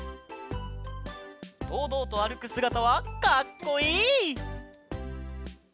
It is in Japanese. どうどうとあるくすがたはかっこいい！